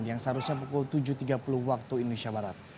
yang seharusnya pukul tujuh tiga puluh waktu indonesia barat